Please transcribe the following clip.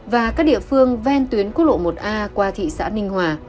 và các địa phương ven tuyến quốc lộ một a qua thị xã ninh hòa